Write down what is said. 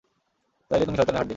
তাইলে তুমি শয়তানের হাড্ডি।